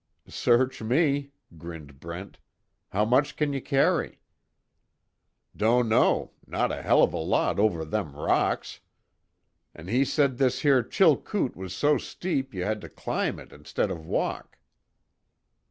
"Search me," grinned Brent, "How much can you carry?" "Don't know not a hell of a lot over them rocks an' he said this here Chilkoot was so steep you had to climb it instead of walk."